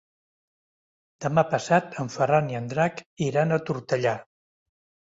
Demà passat en Ferran i en Drac iran a Tortellà.